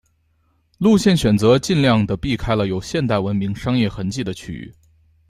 路线选择尽量的避开了有现代文明商业痕迹的区域。